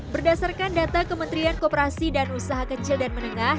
berdasarkan data kementerian kooperasi dan usaha kecil dan menengah